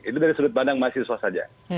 itu dari sudut pandang mahasiswa saja